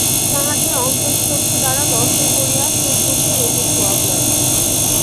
তাঁহাকে অন্তশ্চক্ষু দ্বারা দর্শন করিয়া সুখ-দুঃখের অতীত হওয়া যায়।